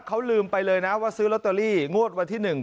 เขาลืมไปเลยนะว่าซื้อลอตเตอรี่งวดวันที่๑